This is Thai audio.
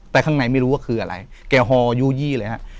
แต่ข้างในไม่รู้ว่าคืออะไรแกฮอยู่ยี่เลยฮะ